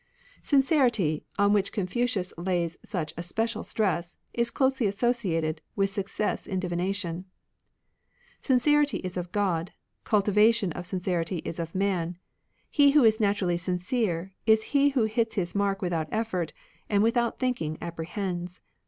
Sincerity, on which Confucius lays such especial stress, is closely associated with success in divina tion. " Sincerity is of Grod ; cultivation of sincerity is of man. He who is naturally sincere is he who hits his mark without effort, and with out thinking apprehends.